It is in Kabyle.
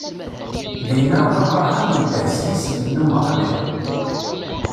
Dinna, Abṛaham indeh s yisem n Umeɣlal.